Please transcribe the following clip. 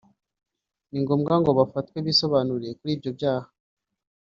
ni ngombwa ngo bafatwe bisobanure kuri ibyo byaha